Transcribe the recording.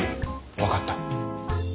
分かった。